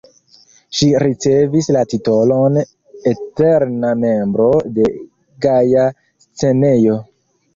Ŝi ricevis la titolon "eterna membro" de Gaja Scenejo.